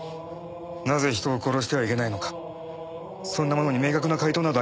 なぜ人を殺してはいけないのかそんなものに明確な解答などありませんから。